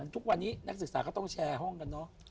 ทุกวันนี้นักศึกษาก็ต้องแชร์ห้องกันเนอะ